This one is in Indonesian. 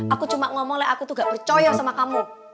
aku cuma ngomong leh aku tuh gak percoyo sama kamu